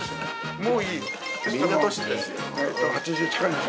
もういいよ。